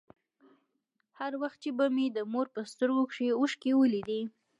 هر وخت چې به مې د مور په سترگو کښې اوښکې ولېدې.